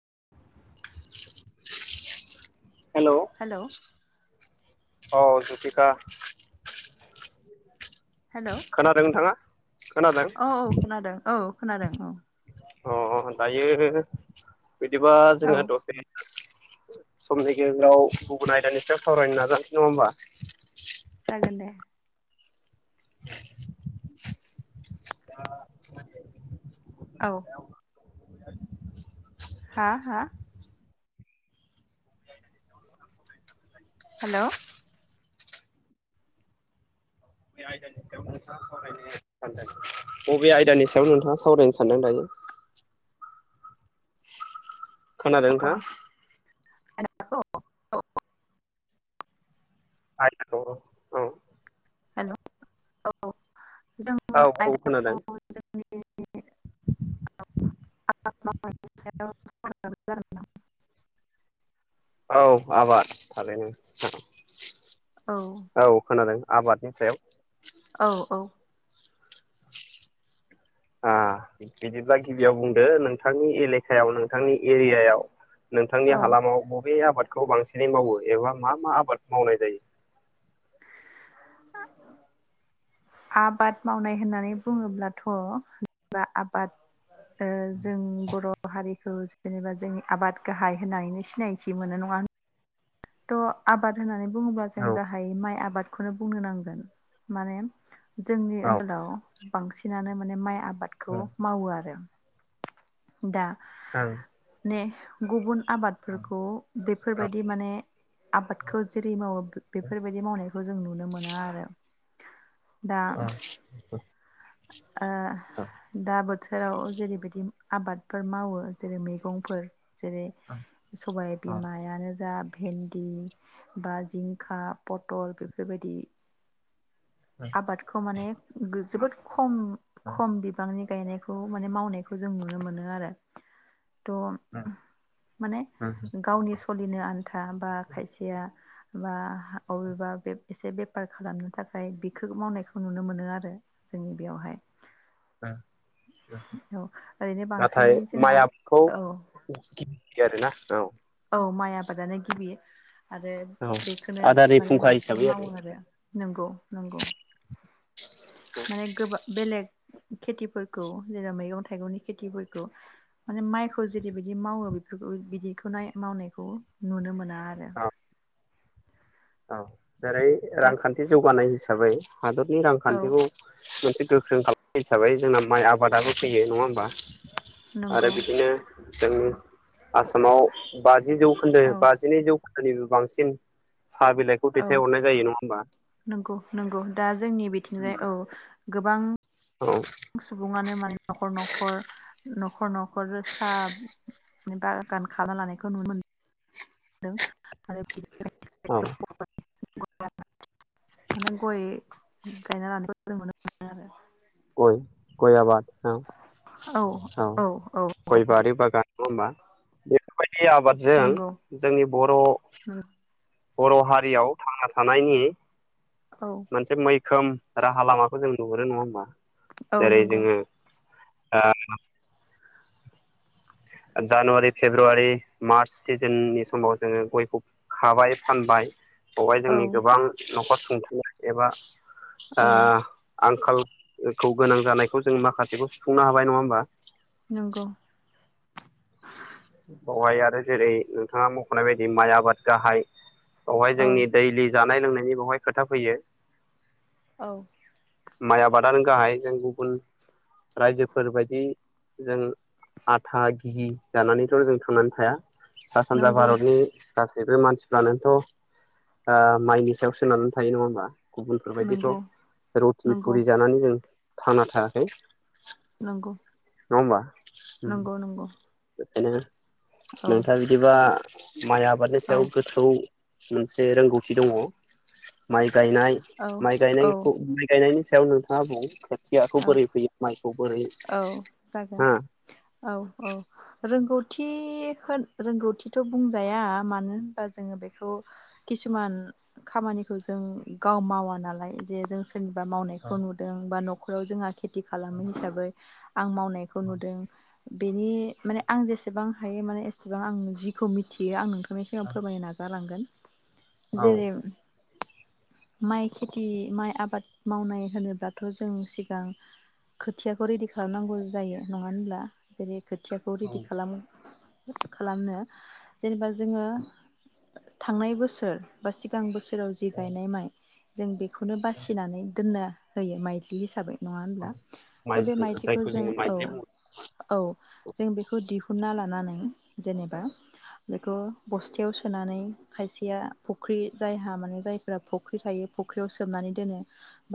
[inaudible] [inaudible] Hello औ जुथिखा hello खोनादों नोंथाङा? खोनादों औ औ खोनादों औ। खोनादों औ। अ दायो बिदिबा औ जोङो दसे समनि गेजेराव गुबुन आयदानिफ्राय सावरायनो नाजानोसै नङा होमबा। जागोन दे [inaudible] औ [inaudible] हा हा हेलौ बबे आयदानि सायाव नोंथाङा सावरायनो सानदों दायो? खोनादों औ नोंथाङा? [unintelligible] [unintelligible] औ हेल' औ। जोङो औ आयदाखौ खोनादों जोंनि [unintelligible] औ आबाद थारैनो जागोन औ खोनादों। आबादनि सायाव औ औ ओ बिदिब्ला गिबियाव बुंदो नोंथांनि एलेकायाव नोंथांनि एरियायाव नोंथांनि औ हालामाव बबे आबाद खौ बांसिनै मावो एबा मा मा आबाद मावनाय जायो। आ आबाद मावनाय होननानै बुङोब्लाथ' बा आबाद ओ जों बर' हारिखौ जेनेबा जोंनि आबाद गाहाय होननानैनो सिनायथि मोनो नङा थ' आबाद होनानै बुङोब्ला जों गाहाय माइ आबाद खौनो बुंनो नांगोन माने जोंनि औ ओनसोलाव बांसिनानो नो माइ आ बादखौ औ मावो आरो। दा ने गुबुन आबादफोरखौ बेफोरबायदि माने आबादखौ जेरै मावो बेफोरबायदि मावनाय खौ जों नुनो मोना आरो। दा [unintelligible] ओ दा बोथो थोराव जेरैबायदि आबादफोर मावो जेरै मैगंफोर जेरै सबाय बिमायानो जा भेन्दि बा जिंखा पटल बेफोरबायदि। आबादखौ माने जोबोद उम खम बिबांनि गायनायखौ माने मावनायखौ जों नुनो मोनो आरो थ माने गावनि सलिनो आ था बा खायसेया बा अबेबा बेब एसे बेफार खालामनो थाखाय बिखो मावनायखौ नुनो मोनो आरो जोंनि बेयावहाय औ ओरैनो बांसिनै नाथाय माइ जोंहा आबदखौ औ दे आरो ना औ औ माइ आबादानो गिबि आरो औ बेखौनो आदारनि माने फुंखा हिसाबै बांसिनै मावो आरो नंगौ नंगौ माने गोबा बेलेग खेथिफोरखौ जेराव मैगं थाइगंनि खेथिफोरखौ माने माइखौ जेरैबादि मावो बेफोरखौ बिदिखौ नाय मावनायखौ नुनो मोना आरो औ औ। जेरै दा रांखान्थि जौगानाय हिसाबै हादरनि औ रांखान्थिखौ मोनसे गोख्रों खालामनाय हिसाबै जोंना माइ आबादाबो फैयो नङा होमबा? आरो नंगौ बिदिनो जोंनि आसामाव बा जि जौखोन्दो औ बा जिनै जौ खोन्दोनिबो बांसिन साहा बिलाइखौ औ दैथायहरनाय जायो नङा होमबा नोंगौ नोंगौ दा जोंनि बिथिंजाय औ। गोबां औ सुबुङानो माने न'खर न'खर न'खर न'खर सानि बागान खालामना लानायखौ नुनो मोन दों आरो [unintelligible] अ। [unintelligible] माने गय गायना लानो जों नुनो मोनो आरो। गय गय आबाद औ औ गय बारि बागान नङा होमबा? [unintelligible] बेफोरबायदि आबादजों नंगौ जोंनि बर' औ बर' हारियाव थांना थानायनि औ मोनसे मै खोम राहा लामाखौ जों नुहुरो नङा होमबा? जेरै नंगौ जोङो आ जानुवारि, फेब्रुवारि, मार्च सिजोननि समाव जोङो गयखौ खाबाय फानबाय बहाय औ जोंनि गोबां न'खर सुंथानो एबा आ औ आंखालखौ गोनां जानायखौ जों माखासेखौ सुफुंनो हाबाय नङा होमबा? नंगौ। बेवहाय आरो जेरै नोंथाङा मख'नाय बायदि माइ आबाद गाहाय बेवहाय औ जोंनि दैलि जानाय लोंनाय नि बहाय खोथा फैयो। औ। माइ आबादानो गाहाय जों गुबुन रायजोफोरबायदि जों आथा, घि जानानै थ' जों थांनानै थाया। सा सानजा नंगौ भारतनि गासैबो मानसिफ्रानोथ' आ माइनि सायाव सोननानै थायो नङा होमबा। गुबुनफोरबायदिथ' नंगौ रुथि नंगौ फुरि जानानै जों थांना थायाखै। नंगौ। नङा ओमबा। नंगौ नंगौ। [unintelligible] औ नोंथाङा बिदिबा [inaudible] माइ आबादनि औ सायाव गोथौ मोनसे रोंगौथि दङ। माइ गायनाय औ माइ औ गायनायखौ माइ गायनायनि सायाव नोंथाङा बुं खोथियाखौ औ बोरै फैयो माइखौ बोरै औ जागोन हा औ औ रोंगौ। थि होन रोंगौथिथ' बुंजाया मानो होनबा जोङो बेखौ खिसुमान खामानिखौ जों गाव मावा नालाय जे जों सोरनिबा मावनायखौ नुदों बा न'ख ओ जोंहा खेथि खालामो हिसाबै। आं मावनायखौ नुदों। बेनि माने आं जेसेबां हायो माने एसेबां आं जिखौ मिथियो आं नोंथां [unintelligible] सिगां फोरमायनो नाजालांगोन औ जेरै माइ खेथि माइ आबाद मावनाय होनोब्लाथ' जों सिगां खोथियाखौ रेडि खालामनांगौ जायो नङा होनब्ला जेरै खोथियाखौ औ रेडि खालामो। खालामनो जेनेबा जोङो थांनाय बोसोर बा सिगां बोसोर। सोराव जि औ गायनाय माइ। जों बे बेखौनो बासिनानै दोननो। होयो मायथिलि। जाबाय। नङा होनब्ला औ त' बे माइज्लि मायदिखौ जायखौ जों जोङो औ माइज्लि बुङो औ। जों बेखौ दिहुनना लानानै जेनेबा बेखौ बस्थायाव सोनानै खायसेया फुख्रि जायहा माने जायफोरा फुख्रि थायो फुख्रियाव सोमनानै दोनो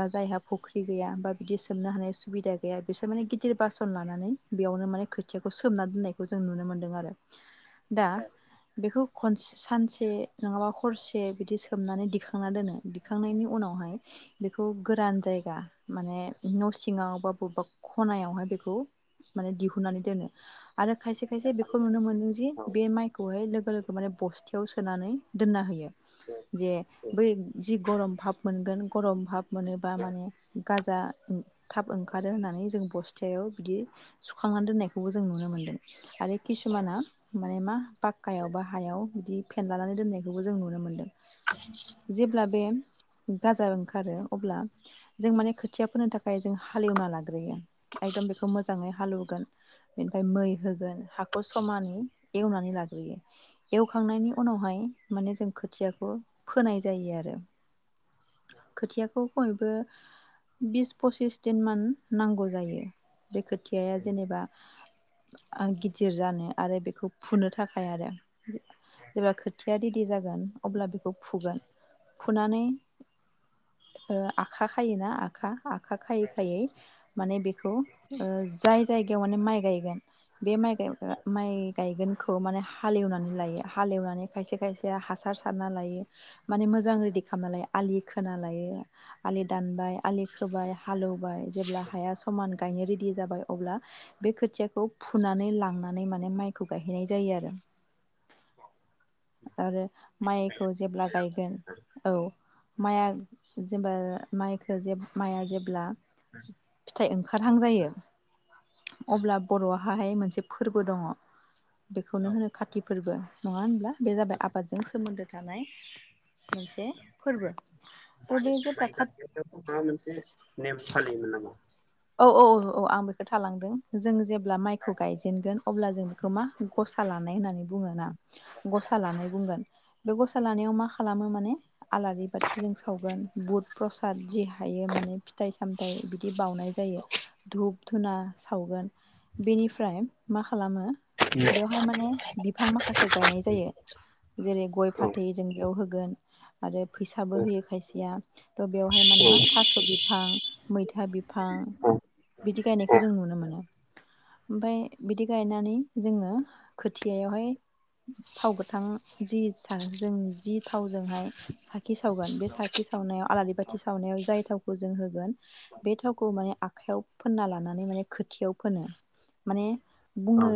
बा जायहा फुख्रि गैया बा बिदि सोमनो हानाय सुबिदा गैया बिसोर माने गिदिर बासन लानानै बेयावनो माने खोथियाखौ सोमना दोननायखौ जों नुनो मोन्दों आरो। दा बेखौ। खनसे सानसे नङाबा हरसे बिदि सोमनानै दिखांना दोनो दिखांनायनि उनावहाय बेखौ गोरान जायगा माने। न' सिङाव बा बबेबा खनायावहाय बेखौ माने दिहुननानै दोनो आरो, खायसे खायसे बेखौ नुनो मोनदों जि औ बे माइखौहाय लोगो लोगो माने बस्थायाव सोनानै दोनना होयो। जे औ बै जि गरम भाब मोनगोन गरम भाब मोनोबा माने गाजा थाब ओंखारो होननानै जों बस्थायाव बिदि, सुखांनानै दोननायखौबो जों नुनो मोनदों। आरो किसुमाना माने मा पाक्कायाव बा हायाव बिदि फेनलानानै दोननायखौबो जों नुनो मोनदों। जेब्ला बे गाजा ओंखारो, अब्ला जों माने खोथिया फोनो थाखाय जों हालेवना लाग्रोयो। एकदम बेखौ मोजाङै हालौवगोन बेनिफ्राय मै होगोन हाखौ समानै एवनानै लाग्रोयो। एवखांनायनि उनावहाय माने जों खोथियाखौ फोनाय जायो आरो, खोथियाखौ खमैयबो बिस फसिस दिन मान नांगौ जायो बे खोथियाया जेनेबा गिदिर जानो आरो बेखौ फुनो थाखाय, आरो जेब्ला खोथिया रेडि जागोन अब्ला बेखौ फुगोन फुनानै ओ आखा खायोना खा आखा खायै खायै, माने बेखौ ओ जाय जायगायाव माने माइ गायगोन बे माइ माइ गायगोनखौ माने हालेवनानै लायो हालेवनानै खायसे खायसेया हासार सारना लायो माने मोजां रेडि खामना लायो। खोना लायो आलि दानबाय, आलि खोबाय हालौवबाय जेब्ला हाया समान गायनो रेडि जाबाय अब्ला, बे खोथियाखौ फुनानै लांनानै माने माइखौ गायहैनाय जायो आरो। आरो मायखौ जेब्ला गायगोन औ माया जेनबा मायखो जे माइआ जेब्ला फिथाइ ओंखारहां जायो, अब्ला बर'हाहाय मोनसे फोरबो दङ। बेखौनो होनो खाति फोरबो। नङ होनब्ला? बे जाबाय आबादजों सोमोन्दो। थानाय मोनसे फोरबो। थ' माइ बे जेब्ला माइ खा गायनायावथ' माबा मोनसे नेम फालियोमोन नामा? औ औ औ आं बेखौ थालांदों, जों जेब्ला माइखौ गायजेनगोन अब्ला जों बेखौ मा गसा लानाय होननानै बुङोना। गसा लानाय बुंगोन, बे गसा लानायाव मा खालामो माने आलारि बाथिजों सावगोन बुद प्रसाद जि हायो माने फिथाइ सामथाइ बिदि बावउनाय जायो, धुप धुना सावगोन बेनिफ्राय मा खालामो औ औ औ बेवहाय माने बिफां माखासे गायनाय जायो। जेरै गय फाथै जों बेयाव होगोन, आरो फैसाबो होयो खायसेया थ' बेवहाय माने मा थास' बिफां मैथा बिफां बिदि गायनायखौ जों नुनो मोनो, ओमफाय बिदि गायनानै जोङो खोथियायावहाय थाव गोथां जि जों जि थावजोंहाय साखि सावगोन, बे साखि सावनायाव आलारि बाथि सावनायाव जाय थावखौ जों होगोन बे थावखौ माने आखायाव फोनना लानानै माने खोथियाव फोनो माने औ बुंनो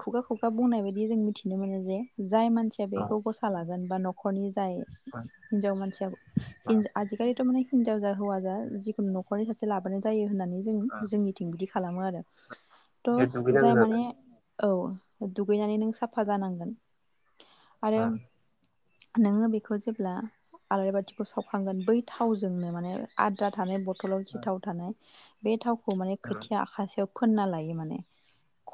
खुगा खुगा बुंनाय बायदि जों मिथिनो मोनो जे, जाय मानसिया बेखौ गसा लागोन बा न'खरनि जाय हिनजाव मानसिया औ आजिखालिथ' माने हिनजाव जा हौव जिखुनु न'खरनि सासे लाबोनाय जायो होननानै। जों जोंनिथिं बिदि खालामो आरो। त' बे जाय दुगैनांगोन आरो माने औ दुगैनानै नों साफा जानांगोन आरो, नोङो बेखौ जेब्ला आलारि बाथिखौ सावखांगोन। बै थावजोंनो माने आद्रा थानाय बथलाव जि थाव थानाय। बे थावखौ माने खोथिया आखासेयाव फोनना लायो माने।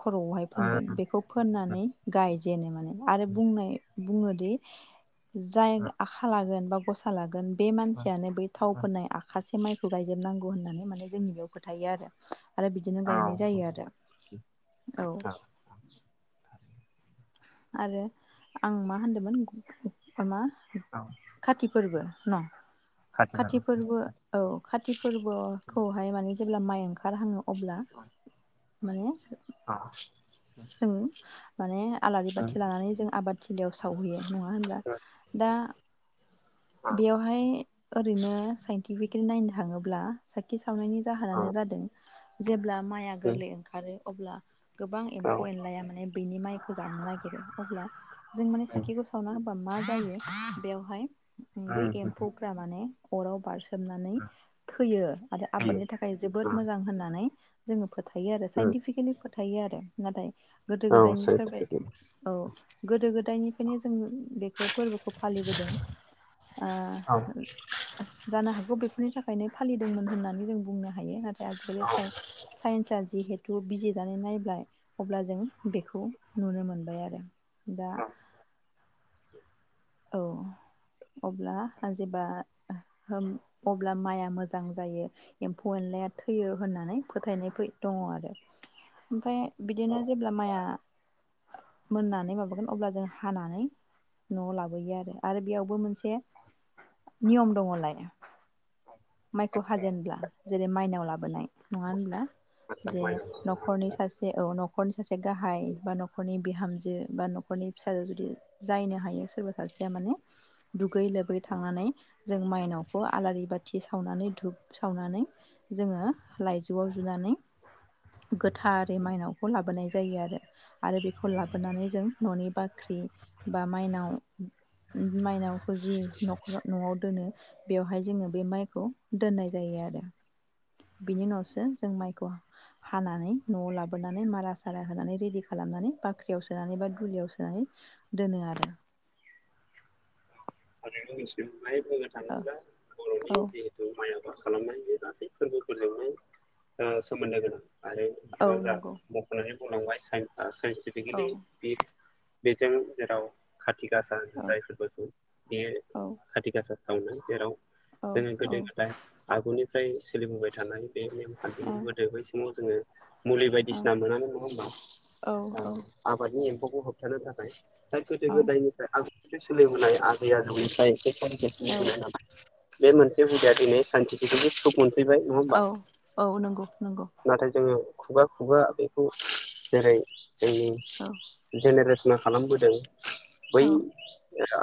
खर'आवहाय फोनगोन, बेखौ फोननानै गायजेनो माने, आरो बुंनाय बुङोदि जाय आखा लागोन बा गसा लागोन बे मानसियानो बै थाव फोननाय आखासे माइखौ गायजोबनांगौ होननानै माने जोंनि बेयाव फोथायो आरो, आरो बिदिनो गायनाय जायो आरो औ। आरो आं मा होनदोंमोन म मा कति फोरबो न खाथि फोरबो। औ कति फोरबोखौहाय माने जेब्ला माइ ओंखारहङो अब्ला माने जों माने आलारि बाथि लानानै जों आबाद थलियाव सावहैयो नङा होनब्ला? दा बेवहाय ओरैनो साइन्टिफिकेलि नायनो थाङोब्ला। सााखि सावनायनि औ जाहोनानो जादों जेब्ला माइआ गोरलै ओंखारो अब्ला गोबां औ एम्फौ एनलाया माने बेनि माइखौ जानो नागिरो अब्ला जों माने साखिखौ सावना होबा मा जायो बेवहाय बै एम्फौफ्रा माने अराव बारसोमनानै थैयो आरो। आबादनि थाखाय जोबोद मोजां होननानै जोङो फोथायो आरो साइन्टिफिकेलि फोथायो आरो नाथाय गोदो औ औ गोदायनिफ्रायबाय सैथो औ गोदो गोदायनि बेखायनो जों बेखौ फोरबोखौ फालिबोदों। जानो हागौ बेफोरनि थाखायनो फालिदोंमोन होननानै जों बुंनो हायो नाथाय आजिखालि साइन्सआ जिहेथु बिजिरनानै नायबाय अब्ला जों बेखौ नुनो मोनबाय आरो दा औ अब्ला जेब्ला अब्ला माइआ मोजां जायो, एम्फौ एनलाया थैयो होननानै फोथायनाय दङ आरो ओमफफ्राय बिदिनो जेब्ला माइआ मोननानै माबागोन अब्ला जों हानानै न'आव लाबोगोन आरो, आरो बेयावबो मोनसे नियम दङलाय माइखौ हाजेनब्ला जेरै माइनाव लाबोनाय नङा होनब्ला आदसा जे माइ न'खरनि आदसा सासे औ न'खरनि सासे गाहाय बा न'खरनि बिहामजो बा न'खरनि फिसाजो जुदि जायनो हायो सोरबा सासेया माने दुगै लोबै थांनानै जों माइनावखौ आलारि बाथि सावनानै धुप सावनानै जोङो लाइजौआव जुनानै गोथारै मायनावखौ लाबोनाय जायो आरो आरो बेखौ लाबोनानै जों न'नि बाख्रि बा माइनाव मायनावखौ जि न'खराव न'आव दोनो बेवहाय जोङो बे माइखौ दोननाय जायो आरो बेनि उनावसो जों माइखौ हानानै न'आव लाबोनानै मारा सारा होनानै रेडि खालामनानै बाख्रियाव सोनानै बा दुलियाव सोनानै दोनो आरो। [unintelligible] जोंहाय बुंनो औ थाङोब्ला बर'नि औ जिहेथु माइनाव खालामनाय बे गासै फोरबोफोरजोंनो सोमोन्दो गोनां। आरो औ नोंङा जा नंगौ [unintelligible] बुंनांबाय [unintelligible] औ साइन्टिफकेलि बे बेजों जेराव [unintelligible] खाथिगासा होनो औ जाय फोरबोखौ। बे औ खाथि गासा सावनो जेराव औ जोङो औ गोदो गोदाय आगुनि [unintelligible] सोलिबोबाय थानाय बे नेमखान्थिखौ औ गोदो बै समाव जोङो मुलि औ बायदिसिना मोनामोन नङा होमबा ओ औ आबादनि [unintelligible] होबथानो थाखाय [unintelligible] गोदान गोदायनिफ्राय सोलिबोनाय [unintelligible] दैया औ जयैखाय [unintelligible] बे मोनसे हुदाया बिनो [unintelligible] औ औ नंगौ नंगौ। नाथाय जोंङो खुगा खुगा बेखौ जेरै जोंनि औ जेनेरेशन ना खालामबोदों। बै औ [unintelligible]